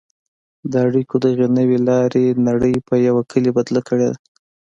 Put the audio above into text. د اړیکو دغې نوې لارې نړۍ په یوه کلي بدله کړې ده.